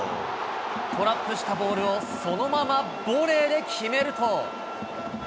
トラップしたボールをそのままボレーで決めると。